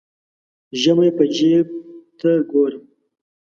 ژمی به جیب ته ګورم.